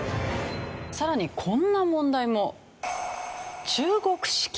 さらにこんな問題も。